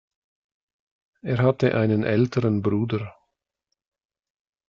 Er hatte einen älteren Bruder.